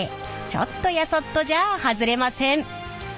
ちょっとやそっとじゃあ外れません。